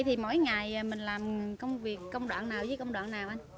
thì mỗi ngày mình làm công việc công đoạn nào với công đoạn nào anh